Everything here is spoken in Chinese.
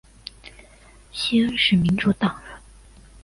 西恩是民主党人。